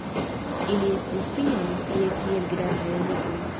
Ili estis tiam tie kiel grandaj amikoj.